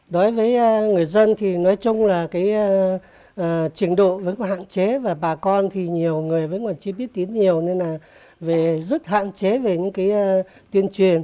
đối với người dân thì nói chung là cái trình độ vẫn có hạn chế và bà con thì nhiều người vẫn còn chưa biết tiếng nhiều nên là rất hạn chế về những cái tuyên truyền